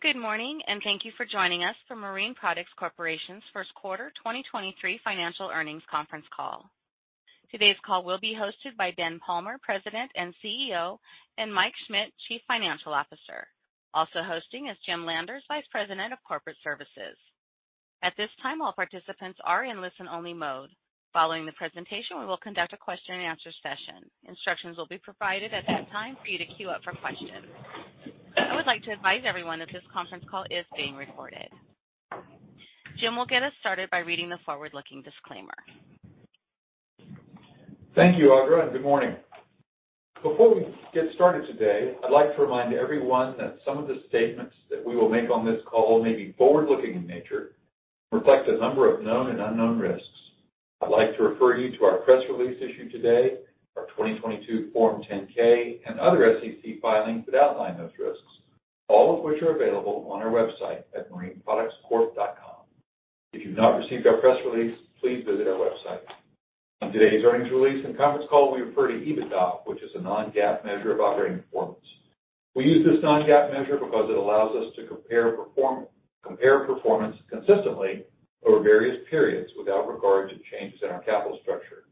Good morning, and thank you for joining us for Marine Products Corporation's first quarter 2023 financial earnings conference call. Today's call will be hosted by Ben Palmer, President and CEO, and Mike Schmit, Chief Financial Officer. Also hosting is Jim Landers, Vice President of Corporate Services. At this time, all participants are in listen-only mode. Following the presentation, we will conduct a question-and-answer session. Instructions will be provided at that time for you to queue up for questions. I would like to advise everyone that this conference call is being recorded. Jim will get us started by reading the forward-looking disclaimer. Thank you, Audra. Good morning. Before we get started today, I'd like to remind everyone that some of the statements that we will make on this call may be forward-looking in nature and reflect a number of known and unknown risks. I'd like to refer you to our press release issued today, our 2022 Form 10-K and other SEC filings that outline those risks, all of which are available on our website at marineproductscorp.com. If you've not received our press release, please visit our website. On today's earnings release and conference call, we refer to EBITDA, which is a non-GAAP measure of operating performance. We use this non-GAAP measure because it allows us to compare performance consistently over various periods without regard to changes in our capital structure.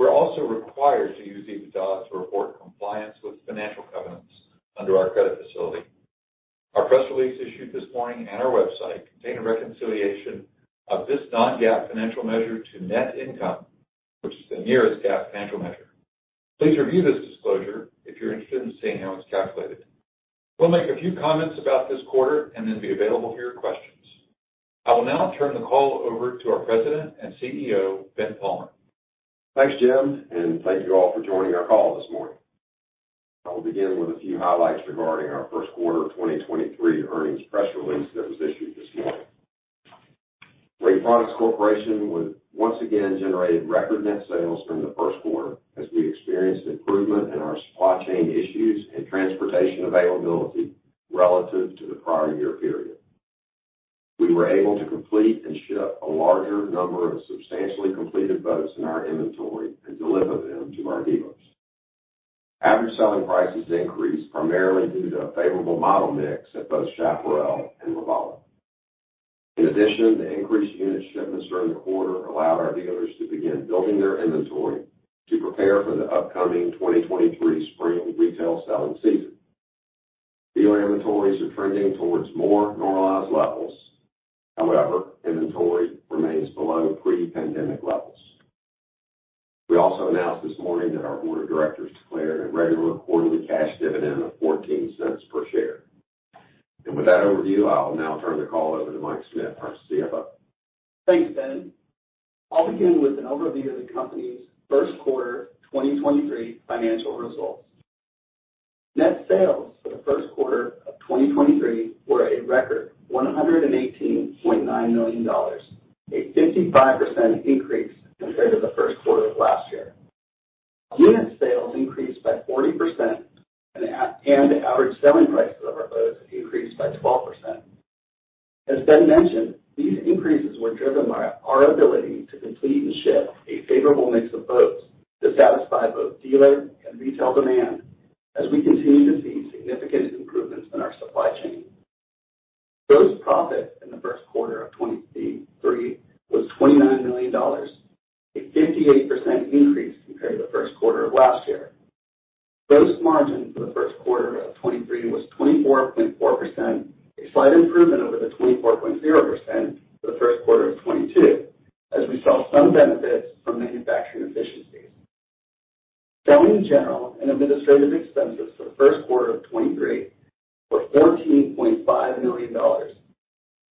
We're also required to use EBITDA to report compliance with financial covenants under our credit facility. Our press release issued this morning and our website contain a reconciliation of this non-GAAP financial measure to net income, which is the nearest GAAP financial measure. Please review this disclosure if you're interested in seeing how it's calculated. We'll make a few comments about this quarter and then be available for your questions. I will now turn the call over to our President and CEO, Ben Palmer. Thanks, Jim, and thank you all for joining our call this morning. I will begin with a few highlights regarding our first quarter of 2023 earnings press release that was issued this morning. Marine Products Corporation once again generated record net sales during the first quarter as we experienced improvement in our supply chain issues and transportation availability relative to the prior year period. We were able to complete and ship a larger number of substantially completed boats in our inventory and deliver them to our dealers. Average selling prices increased primarily due to a favorable model mix at both Chaparral and Robalo. In addition, the increased unit shipments during the quarter allowed our dealers to begin building their inventory to prepare for the upcoming 2023 spring retail selling season. Dealer inventories are trending towards more normalized levels. However, inventory remains below pre-pandemic levels. We also announced this morning that our board of directors declared a regular quarterly cash dividend of $0.14 per share. With that overview, I'll now turn the call over to Mike Schmit, our CFO. Thanks, Ben. I'll begin with an overview of the company's first quarter 2023 financial results. Net sales for the first quarter of 2023 were a record $118.9 million, a 55% increase compared to the first quarter of last year. Unit sales increased by 40% and average selling prices of our boats increased by 12%. As Ben mentioned, these increases were driven by our ability to complete and ship a favorable mix of boats to satisfy both dealer and retail demand as we continue to see significant improvements in our supply chain. Gross profit in the first quarter of 2023 was $29 million, a 58% increase compared to the first quarter of last year. Gross margin for the first quarter of 2023 was 24.4%, a slight improvement over the 24.0% for the first quarter of 2022, as we saw some benefits from manufacturing efficiencies. Selling, general, and administrative expenses for the first quarter of 2023 were $14.5 million,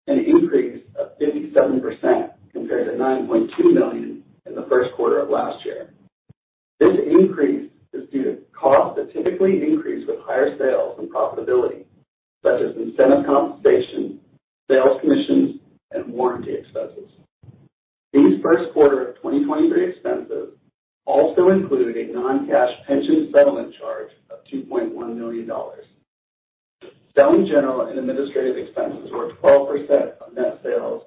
an increase of 57% compared to $9.2 million in the first quarter of last year. This increase is due to costs that typically increase with higher sales and profitability, such as incentive compensation, sales commissions, and warranty expenses. These first quarter of 2023 expenses also included a non-cash pension settlement charge of $2.1 million. Selling, general, and administrative expenses were 12% of net sales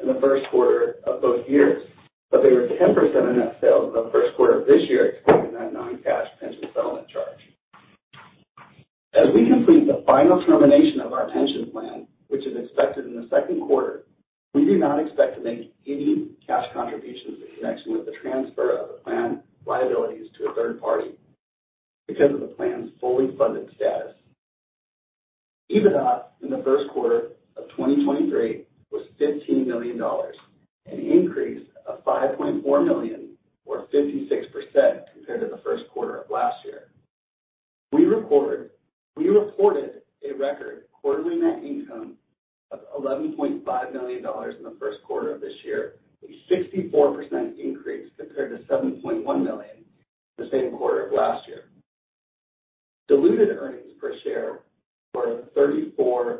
in the first quarter of both years. They were 10% of net sales in the first quarter of this year, excluding that non-cash pension settlement charge. As we complete the final termination of our pension plan, which is expected in the second quarter, we do not expect to make any cash contributions in connection with the transfer of the plan liabilities to a third party because of the plan's fully funded status. EBITDA in the first quarter of 2023 was $15 million, an increase of $5.4 million or 56% compared to the first quarter of last year. We reported a record quarterly net income of $11.5 million in the first quarter of this year, a 64% increase compared to $7.1 million the same quarter of last year. Diluted earnings per share were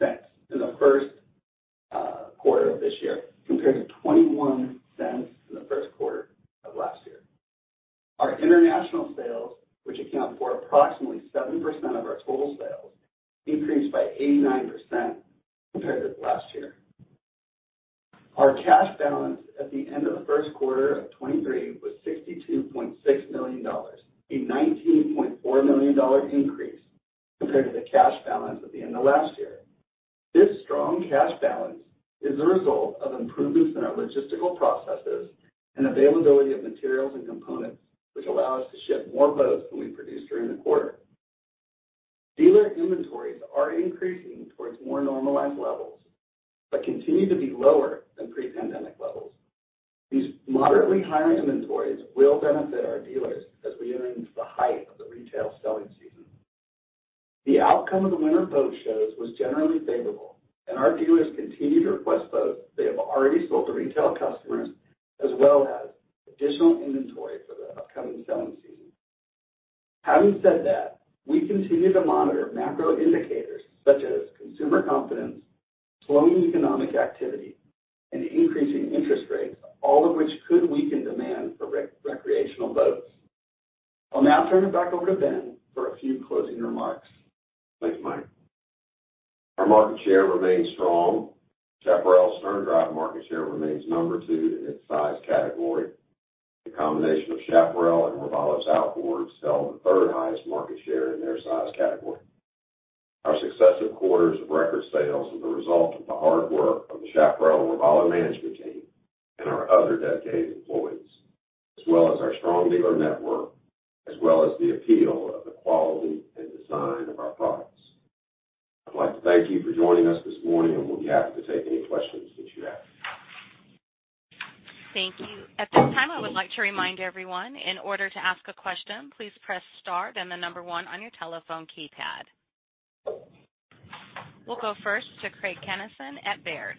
$0.34 in the first quarter of this year, compared to $0.21 in the first quarter of last year. Our international sales, which account for approximately 7% of our total sales, increased by 89% compared to last year. Our cash balance at the end of the first quarter of 2023 was $62.6 million, a $19.4 million increase compared to the cash balance at the end of last year. This strong cash balance is the result of improvements in our logistical processes and availability of materials and components, which allow us to ship more boats than we produced during the quarter. Dealer inventories are increasing towards more normalized levels, continue to be lower than pre-pandemic levels. These moderately higher inventories will benefit our dealers as we enter into the height of the retail selling season. The outcome of the winter boat shows was generally favorable, our dealers continue to request boats they have already sold to retail customers, as well as additional inventory for the upcoming selling season. Having said that, we continue to monitor macro indicators such as consumer confidence, slowing economic activity, and increasing interest rates, all of which could weaken demand for recreational boats. I'll now turn it back over to Ben for a few closing remarks. Thanks, Mike. Our market share remains strong. Chaparral sterndrive market share remains number two in its size category. The combination of Chaparral and Robalo's outboard sell the third-highest market share in their size category. Our successive quarters of record sales is a result of the hard work of the Chaparral-Robalo management team and our other dedicated employees, as well as our strong dealer network, as well as the appeal of the quality and design of our products. I'd like to thank you for joining us this morning, and we'll be happy to take any questions that you have. Thank you. At this time, I would like to remind everyone, in order to ask a question, please press star then the number one on your telephone keypad. We'll go first to Craig Kennison at Baird.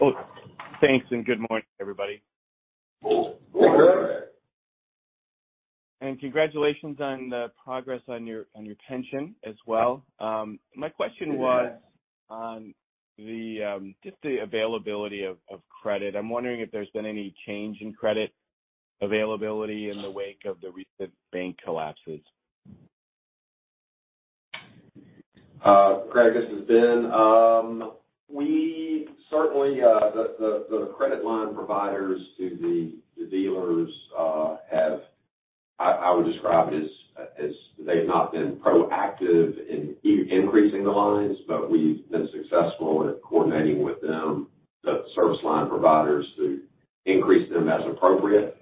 Well, thanks, and good morning, everybody. Good morning. Congratulations on the progress on your pension as well. My question was on the just the availability of credit. I'm wondering if there's been any change in credit availability in the wake of the recent bank collapses. Craig, this is Ben. We certainly, the credit line providers to the dealers have. I would describe it as they've not been proactive in increasing the lines, but we've been successful at coordinating with them, the service line providers, to increase them as appropriate.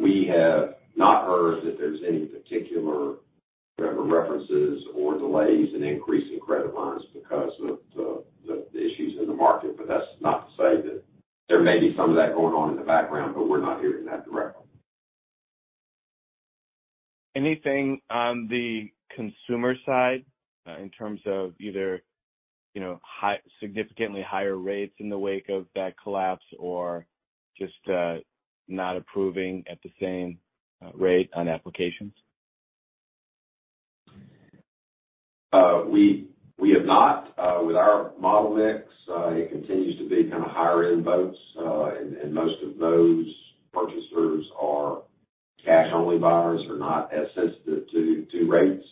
We have not heard that there's any particular references or delays in increasing credit lines because of the issues in the market. That's not to say that there may be some of that going on in the background, but we're not hearing that directly. Anything on the consumer side in terms of either, you know, significantly higher rates in the wake of that collapse or just not approving at the same rate on applications? We have not. With our model mix, it continues to be kind a higher-end boats, and most of those purchasers are cash-only buyers who are not as sensitive to rates.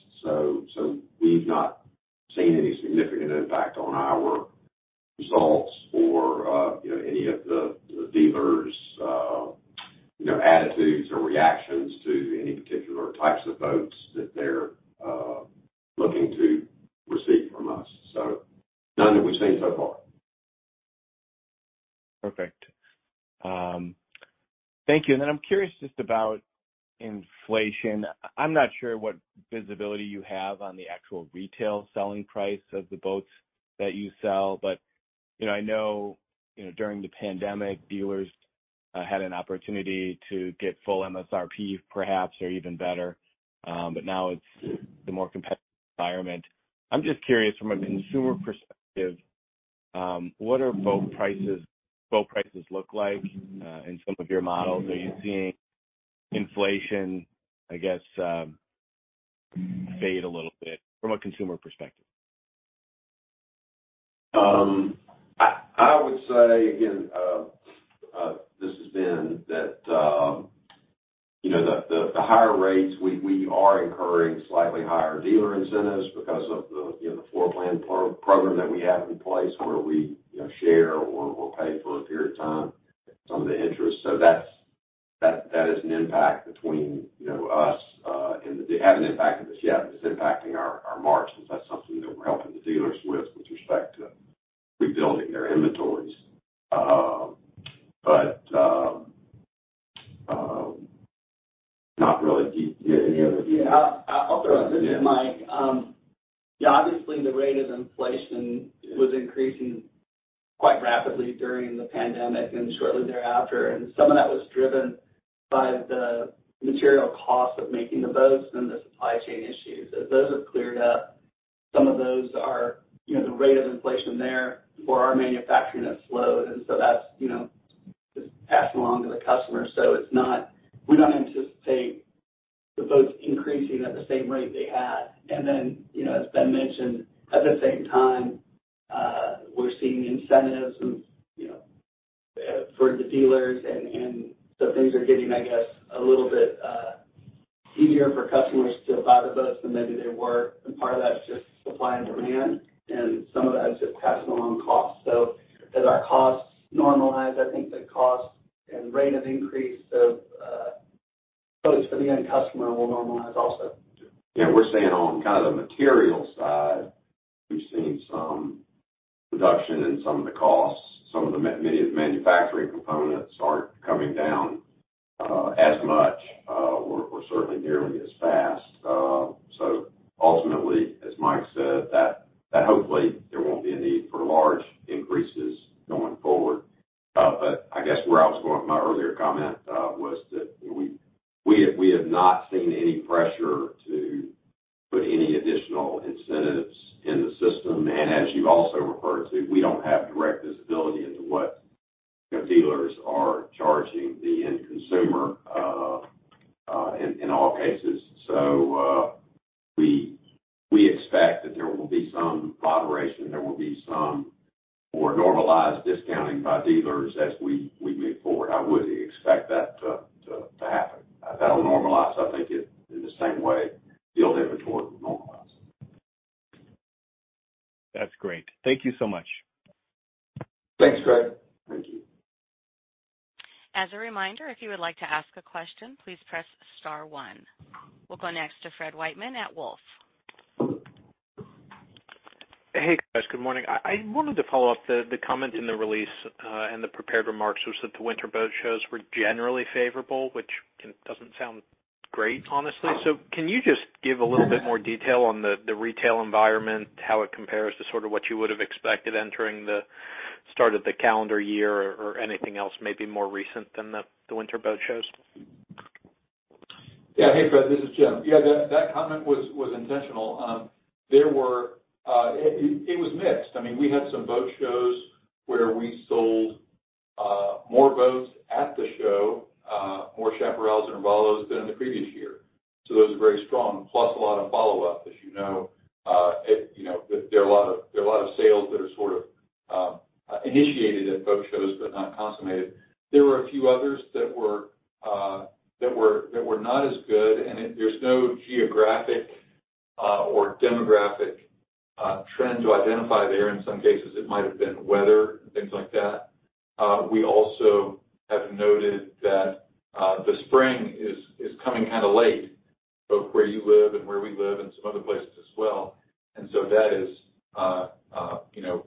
We've not seen any significant impact on our results or, you know, any of the dealers', you know, attitudes or reactions to any particular types of boats that they're looking to receive from us. None that we've seen so far. Perfect. Thank you. I'm curious just about inflation. I'm not sure what visibility you have on the actual retail selling price of the boats that you sell, but, you know, I know, you know, during the pandemic, dealers had an opportunity to get full MSRP perhaps, or even better. Now it's the more competitive environment. I'm just curious from a consumer perspective, what are boat prices look like in some of your models? Are you seeing inflation, I guess, fade a little bit from a consumer perspective? I would say, again, this is Ben, that, you know, the higher rates, we are incurring slightly higher dealer incentives because of the, you know, the floor plan pro-program that we have in place where we, you know, share or pay for a period of time some of the interest. That is an impact between, you know, us and the it hasn't impacted us yet, but it's impacting our margins. That's something that we're helping the dealers with respect to rebuilding their inventories. Not really any other. This is Mike. Obviously, the rate of inflation was increasing quite rapidly during the pandemic and shortly thereafter. Some of that was driven by the material cost of making the boats and the supply chain issues. As those have cleared up, some of those are, you know, the rate of inflation there for our manufacturing has slowed. So that's, you know, just passed along to the customer. So it's not... We don't anticipate the boats increasing at the same rate they had. Then, you know, as Ben mentioned, at the same time, we're seeing incentives and for the dealers and so things are getting, I guess, a little bit easier for customers to buy the boats than maybe they were. Part of that's just supply and demand, and some of that is just passing along costs. As our costs normalize, I think the cost and rate of increase of boats for the end customer will normalize also. Yeah. We're seeing on kind of the material side, we've seen some reduction in some of the costs. Some of the many of the manufacturing components aren't coming down, as much, or certainly nearly as fast. Ultimately, as Mike said, that hopefully there won't be a need for large increases going forward. I guess where I was going with my earlier comment, was that, you know, we have not seen any pressure to put any additional incentives in the system. As you also referred to, we don't have direct visibility into what the dealers are charging the end consumer, in all cases. We expect that there will be some moderation, there will be some more normalized discounting by dealers as we move forward. I would expect that to happen. That'll normalize, I think, in the same way deal inventory will normalize. That's great. Thank you so much. Thanks, Craig. Thank you. As a reminder, if you would like to ask a question, please press star one. We'll go next to Fred Wightman at Wolfe. Hey, guys. Good morning. I wanted to follow up the comment in the release and the prepared remarks was that the winter boat shows were generally favorable, which doesn't sound great, honestly. Can you just give a little bit more detail on the retail environment, how it compares to sort of what you would have expected entering the start of the calendar year or anything else maybe more recent than the winter boat shows? Yeah. Hey, Fred, this is Jim. Yeah, that comment was intentional. It was mixed. I mean, we had some boat shows where we sold more boats at the show, more Chaparrals and Robalos than in the previous year. Those were very strong, plus a lot of follow-up. As you know, you know, there are a lot of sales that are sort of initiated at boat shows but not consummated. There were a few others that were not as good. There's no geographic or demographic trend to identify there. In some cases, it might have been weather and things like that. We also have noted that the spring is coming kind of late, both where you live and where we live and some other places as well. That is, you know,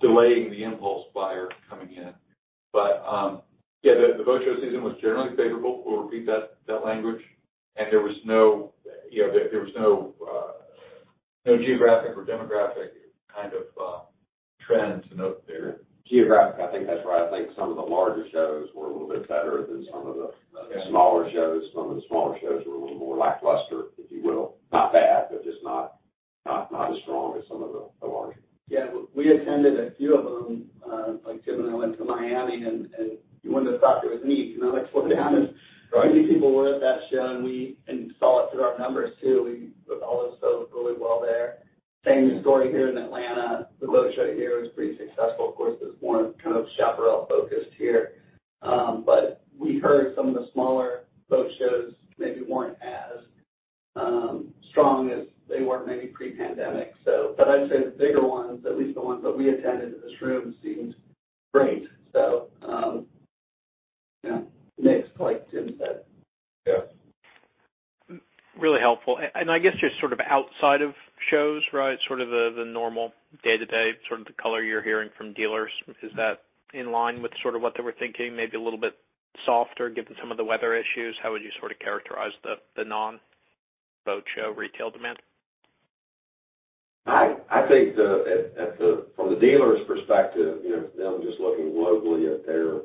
delaying the impulse buyer coming in. Yeah, the boat show season was generally favorable. We'll repeat that language. There was no, you know, there was no geographic or demographic kind of trend to note there. Geographic, I think that's where I think some of the larger shows were a little bit better than some of the. Yeah. -smaller shows. Some of the smaller shows were a little more lackluster, if you will. Not bad, but just not as strong as some of the larger. Yeah. We attended a few of them. Like Jim and I went to Miami and you wouldn't have thought there was a need. You know, like, what you... Right. How many people were at that show? We saw it through our numbers, too. We with all those boats really well there. Same story here in Atlanta. The boat show here was pretty successful. Of course, it's more kind of Chaparral-focused here. We heard some of the smaller boat shows maybe weren't as strong as they were maybe pre-pandemic, so. I'd say the bigger ones, at least the ones that we attended in this room, seemed great. Yeah, mixed like Jim said. Yeah. Really helpful. I guess just sort of outside of shows, right, sort of the normal day-to-day, sort of the color you're hearing from dealers, is that in line with sort of what they were thinking? Maybe a little bit softer given some of the weather issues? How would you sort of characterize the non-boat show retail demand? I think, from the dealer's perspective, you know, them just looking locally at their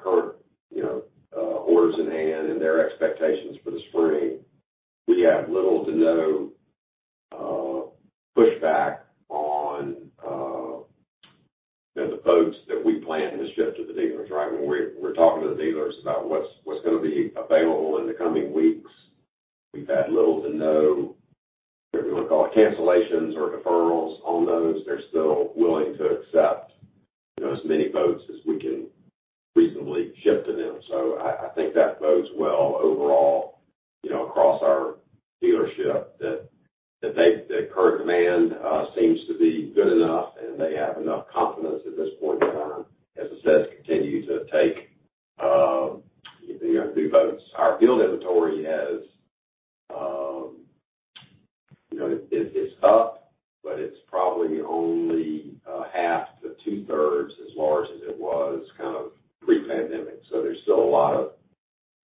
current, you know, orders in hand and their expectations for the spring, we have little to no pushback on, you know, the boats that we plan to ship to the dealers, right? When we're talking to the dealers about what's gonna be available in the coming weeks, we've had little to no, if you wanna call it, cancellations or deferrals on those. They're still willing to accept, you know, as many boats as we can reasonably ship to them. I think that bodes well overall, you know, across our dealership that they The current demand seems to be good enough, and they have enough confidence at this point in time, as I said, to continue to take, you know, new boats. Our field inventory has, you know, it's up, but it's probably only half to 2/3 as large as it was kind of pre-pandemic. There's still a lot of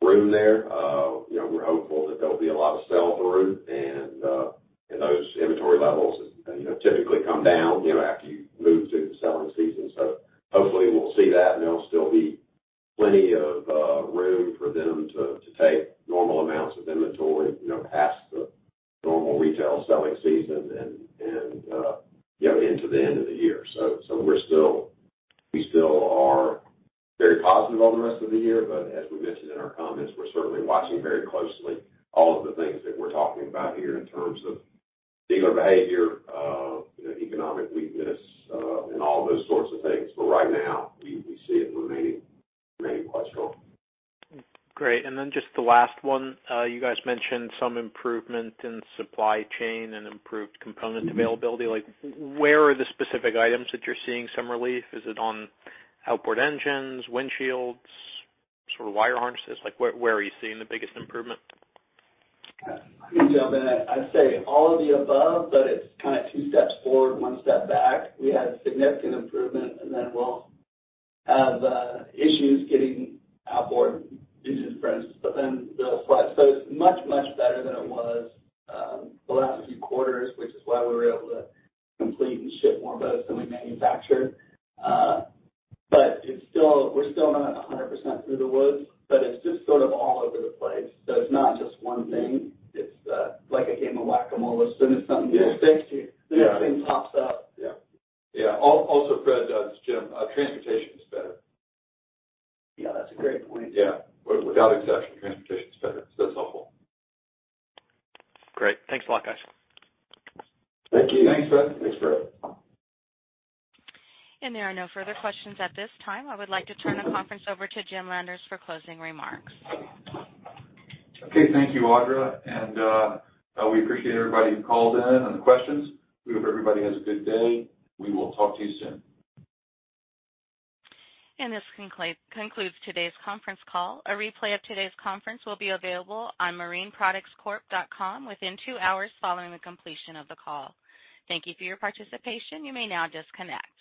room there. You know, we're hopeful that there'll be a lot of I can jump in. I'd say all of the above, it's kind of two steps forward, one step back. We have significant improvement, we'll have issues getting outboard engines, for instance, they'll flush. It's much, much better than it was, the last few quarters, which is why we were able to complete and ship more boats than we manufactured. We're still not 100% through the woods, it's just sort of all over the place. It's not just one thing. It's like a game of Whac-A-Mole. As soon as something gets fixed here- Yeah. ..the next thing pops up. Yeah. Yeah. Also, Fred, it's Jim. Transportation is better. Yeah, that's a great point. Yeah. Without exception, transportation's better, so that's helpful. Great. Thanks a lot, guys. Thank you. Thanks, Fred. Thanks, Fred. There are no further questions at this time. I would like to turn the conference over to Jim Landers for closing remarks. Okay. Thank you, Audra. We appreciate everybody who called in and the questions. We hope everybody has a good day. We will talk to you soon. This concludes today's conference call. A replay of today's conference will be available on marineproductscorp.com within two hours following the completion of the call. Thank you for your participation. You may now disconnect.